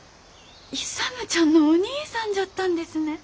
勇ちゃんのお兄さんじゃったんですね。